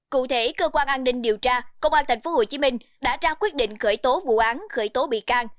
cụ thể cơ quan an ninh điều tra công an tp hcm đã ra quyết định khởi tố vụ án khởi tố bị can